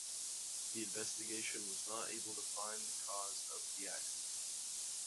The investigation was not able to find the cause of the accident.